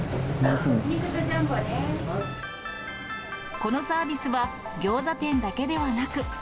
このサービスはギョーザ店だけではなく。